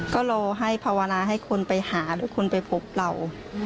ก็รอให้ภาวนาให้คนไปหาหรือคนไปพบเรา